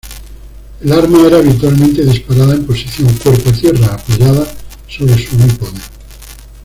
El arma era habitualmente disparada en posición cuerpo a tierra, apoyada sobre su bípode.